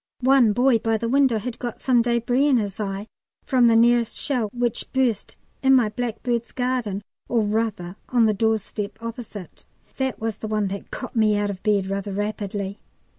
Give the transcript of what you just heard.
One boy by the window had got some débris in his eye from the nearest shell, which burst in my blackbird's garden, or rather on the doorstep opposite. (That was the one that got me out of bed rather rapidly.)